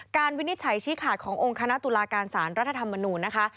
วินิจฉัยชี้ขาดขององค์คณะตุลาการสารรัฐธรรมนูญนะคะ